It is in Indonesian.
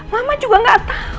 mama juga gak tau